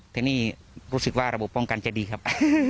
แต่นี่รู้สึกว่าระบบป้องกันจะดีครับ